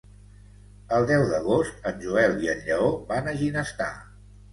El deu d'agost en Joel i en Lleó van a Ginestar.